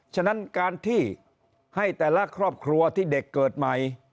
ฉะนั้นการที่ให้แต่ละครอบครัวที่เด็กเกิดใหม่